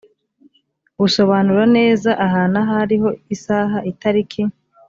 busobanura neza ahantu aho ariho isaha itariki